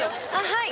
はい！